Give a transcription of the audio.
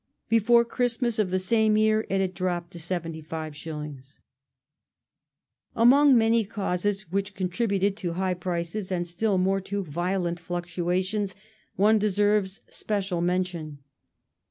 Before Christmas of the same yeai* it had dropped to 75s. Currency Among many causes which contributed to high prices and still ^^nc^s^ more to violent fluctuations one deserves special mention.